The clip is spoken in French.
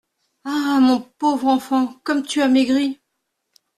Ah ! mon pauvre enfant, comme tu as maigri !